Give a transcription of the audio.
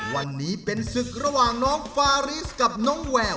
วันนี้เป็นศึกระหว่างน้องฟาริสกับน้องแวว